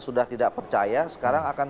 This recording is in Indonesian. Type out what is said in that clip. sudah tidak percaya sekarang akan